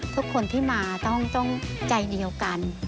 ทุกคนที่มาต้องใจเดียวกัน